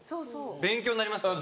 勉強になりますからね。